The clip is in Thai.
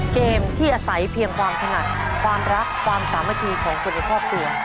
เกมที่อาศัยเพียงความถนัดความรักความสามัคคีของคนในครอบครัว